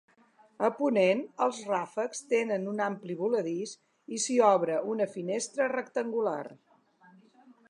A ponent els ràfecs tenen un ampli voladís i s'hi obre una finestra rectangular.